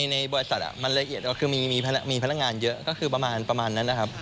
ในบริษัทมันละเอียดก็คือมีพนักงานเยอะก็คือประมาณนั้นนะครับ